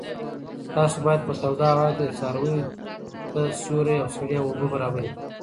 تاسو باید په توده هوا کې څارویو ته سیوری او سړې اوبه برابرې کړئ.